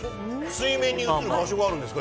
水面に映る場所があるんですか？